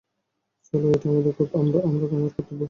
চলো, এটা আমার কর্তব্য।